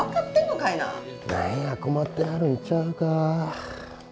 何や困ってはるんちゃうか？